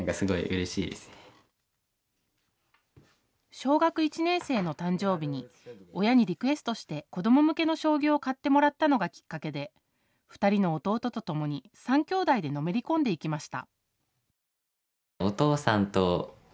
小学１年生の誕生日に親にリクエストして子ども向けの将棋を買ってもらったのがきっかけで２人の弟とともに、３兄弟でのめり込んでいきました。